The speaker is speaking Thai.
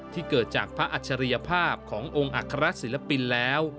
ที่เกิดจากพระอัจฉริยภาพขององค์อัครศิลปินแล้ว